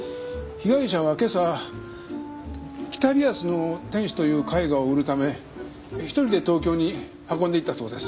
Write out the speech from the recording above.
被害者は今朝『北リアスの天使』という絵画を売るため１人で東京に運んでいったそうです。